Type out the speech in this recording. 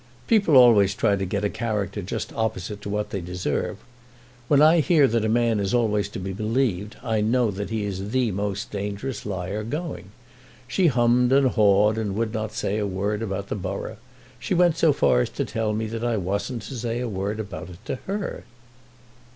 "People always try to get a character just opposite to what they deserve. When I hear that a man is always to be believed, I know that he is the most dangerous liar going. She hummed and hawed and would not say a word about the borough. She went so far as to tell me that I wasn't to say a word about it to her."